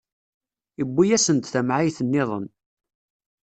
Iwwi-asen-d tamɛayt-nniḍen.